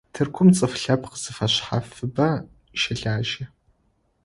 Тыркум цӀыф лъэпкъ зэфэшъхьафыбэ щэлажьэ.